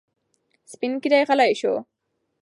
سپین ږیری غلی شو.